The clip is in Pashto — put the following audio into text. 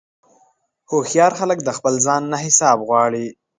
هوښیار خلک د خپل ځان نه حساب غواړي.